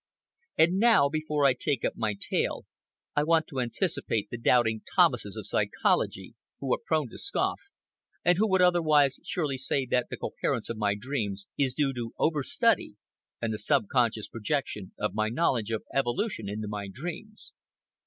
And now, before I take up my tale, I want to anticipate the doubting Thomases of psychology, who are prone to scoff, and who would otherwise surely say that the coherence of my dreams is due to overstudy and the subconscious projection of my knowledge of evolution into my dreams.